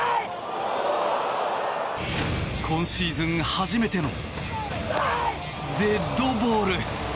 今シーズン初めてのデッドボール。